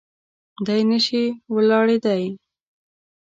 دی نه شي ولاړېدای.